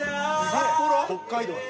「北海道で」